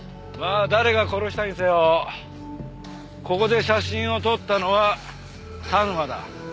まあ誰が殺したにせよここで写真を撮ったのは田沼だ。